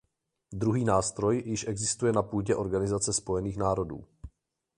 Druhý nástroj již existuje na půdě Organizace spojených národů.